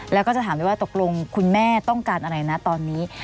แล้วก็จะถามได้ว่าตกลงคุณแม่ต้องการอะไรนะตอนนี้